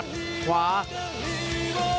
โอ้โห